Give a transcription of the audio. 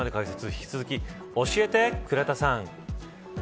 引き続き、教えて、倉田さん。